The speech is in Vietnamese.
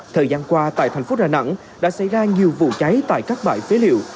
thời gian qua tại thành phố đà nẵng đã xảy ra nhiều vụ cháy tại các bãi phế liệu